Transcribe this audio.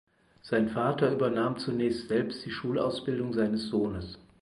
Sein Vater übernahm zunächst selbst die Schulausbildung seines Sohnes.